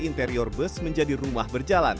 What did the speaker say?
interior bus menjadi rumah berjalan